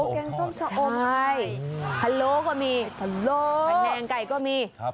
อ๋อแกงชอบชอบใช่ฮัลโหลก็มีฮัลโหลแผงแนงไก่ก็มีครับ